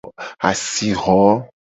Asixo.